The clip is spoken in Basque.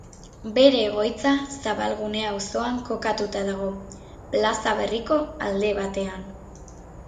Bere egoitza Zabalgune auzoan kokatua dago, Plaza Berriko alde batean.